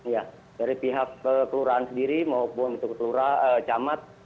ya dari pihak kelurahan sendiri maupun untuk kecelurahan camat